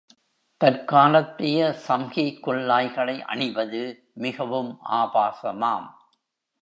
தற்காலத்திய சம்கி குல்லாய்களை அணிவது மிகவும் ஆபாசமாம்.